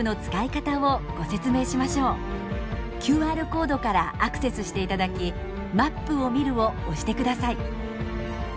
ＱＲコードからアクセスしていただき「Ｍａｐを見る」を押してください。